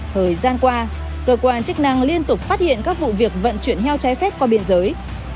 thời gian qua cơ quan chức năng liên tục phát hiện các vụ việc vận chuyển heo trái phép qua biên giới